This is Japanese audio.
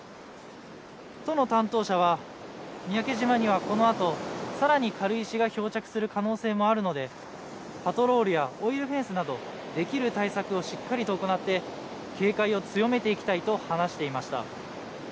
都の担当者は、三宅島にはこのあと、さらに軽石が漂着する可能性もあるので、パトロールやオイルフェンスなど、できる対策をしっかりと行って、警戒を強めていきたいと話していました。